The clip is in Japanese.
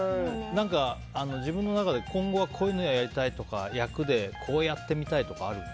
自分の中で今後はこういうのやりたいとか役で、こうやってみたいとかあるの？